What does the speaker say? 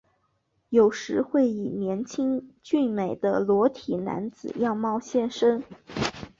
有时会以年轻俊美的裸体男子样貌现身。